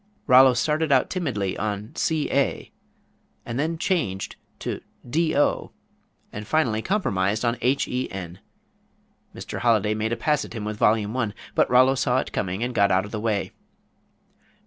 Rollo started out timidly on c a then changed to d o, and finally compromised on h e n. Mr. Holiday made a pass at him with Volume I, but Rollo saw it coming and got out of the way.